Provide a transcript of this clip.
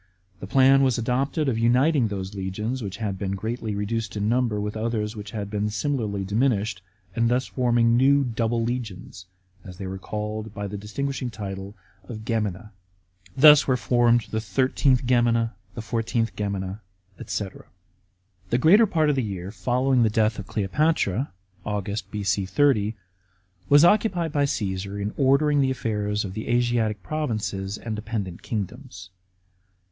The plan was adopted of uniting those legions which had been greatly reduced iu number with others which had been similarly diminished, and thus forming new «* double legions," as they were called by the distinguishing title of Oemina. Thus were formed the Thirteenth Gemma, the Fourteenth Gemma, &c. § 4. The greater part of the year following the death of Cieo 6 FKOM THE BATTLE OF ACTIUM. CHAP. L patra (Aug., B.C. 30) was occupied by Caesar in ordering the affairs of the Asiatic provinces and dependent kingdoms.